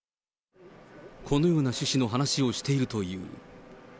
このような趣旨の話をしているという。